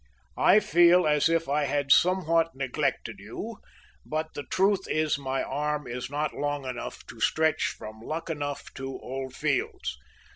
I feel as if I had somewhat neglected you, but, the truth is, my arm is not long enough to stretch from Luckenough to Old Fields.